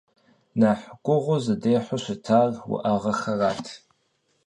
Нэхъ гугъу зыдехьу щытар уӏэгъэхэрат.